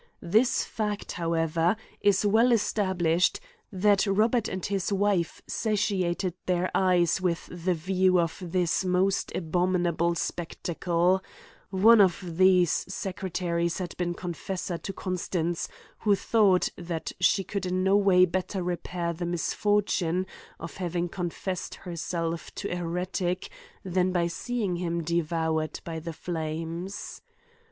This fact, however, is well established, that Robert and his wife satiated their eyes with the view of this most abominable spec tacle — One of these sectaries had been confessor to Constance, who thought, that she could in no way better repair the misfortune of having con fessed herself to a heretic, than by seeing him devoured by the flames.